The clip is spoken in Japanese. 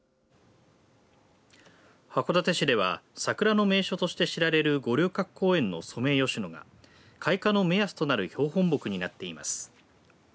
函館市では、桜の名所として知られる五稜郭公園のソメイヨシノが開花の目安となる標本木になっています。